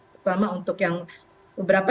terutama untuk yang beberapa